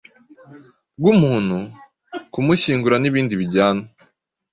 rwumuntu, kumushyingura n’ibindi bijyana).